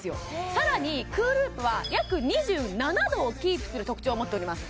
さらにへえＣＯＯＬＯＯＰは約２７度をキープする特徴を持っております